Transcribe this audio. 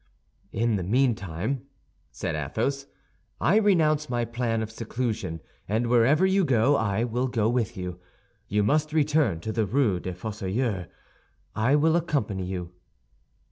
"In the meantime," said Athos, "I renounce my plan of seclusion, and wherever you go, I will go with you. You must return to the Rue des Fossoyeurs; I will accompany you."